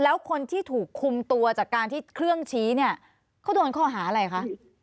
แล้วคนที่ถูกคุมตัวจากการที่เครื่องชี้เนี่ยเขาโดนข้อหาอะไรคะ